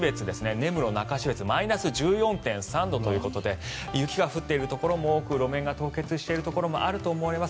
根室中標津マイナス１４．３度ということで雪が降っているところも多く路面が凍結しているところもあると思います。